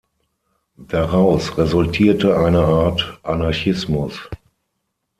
Daraus resultierte eine Art Anarchismus.